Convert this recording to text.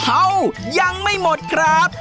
เอ้ายังไม่หมดครับ